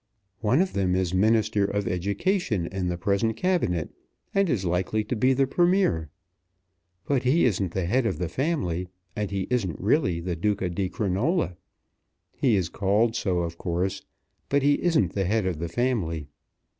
"One of them is Minister of Education in the present Cabinet, and is likely to be the Premier. But he isn't the head of the family, and he isn't really the Duca di Crinola. He is called so, of course. But he isn't the head of the family.